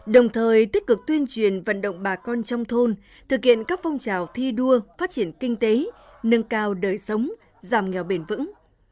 đồng thời tích cực tuyên truyền vận động bà con trong thôn thực hiện các phong trào thi đua phát triển kinh tế nâng cao đời sống giảm nghèo bền vững